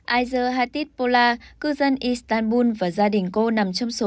aizer hatit pola cư dân istanbul và gia đình cô nằm trong số